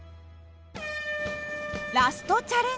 ラストチャレンジ。